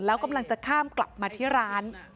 แล้วกำลังจะข้ามกลับมาที่ร้าน